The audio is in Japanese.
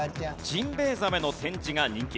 ジンベエザメの展示が人気。